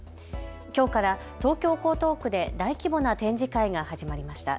きょうから東京江東区で大規模な展示会が始まりました。